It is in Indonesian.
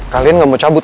kalian gak mau